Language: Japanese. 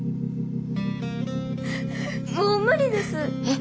もう無理です。